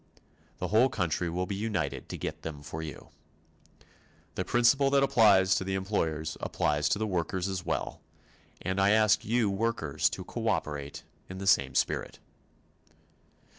The whole country will be united to get them for you. The principle that applies to the employers applies to the workers as well, and I ask you workers to cooperate in the same spirit.